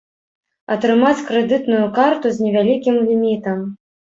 Атрымаць крэдытную карту з невялікім лімітам.